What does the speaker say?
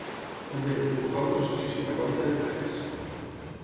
També, vocal de l'Associació Catòlica de Pares.